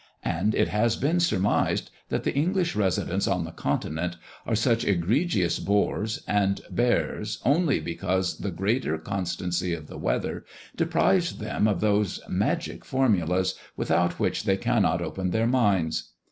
And it has been surmised, that the English residents on the continent are such egregious bores and bears only because the greater constancy of the weather deprives them of those magic formulas, without which they cannot open their minds.